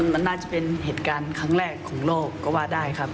มันน่าจะเป็นเหตุการณ์ครั้งแรกของโลกก็ว่าได้ครับ